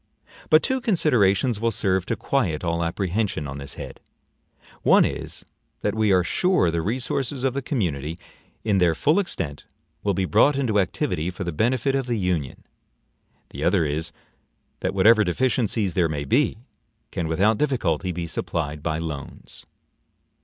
But two considerations will serve to quiet all apprehension on this head: one is, that we are sure the resources of the community, in their full extent, will be brought into activity for the benefit of the Union; the other is, that whatever deficiences there may be, can without difficulty be supplied by loans.